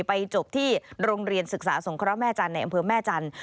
จบที่โรงเรียนศึกษาสงเคราะห์แม่จันทร์ในอำเภอแม่จันทร์